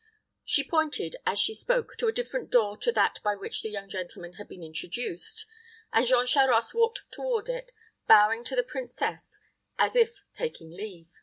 She pointed, as she spoke, to a different door to that by which the young gentleman had been introduced, and Jean Charost walked toward it, bowing to the princess, as if taking leave.